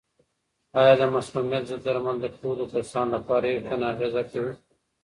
آیا د مسمومیت ضد درمل د ټولو کسانو لپاره یو شان اغېزه کوي؟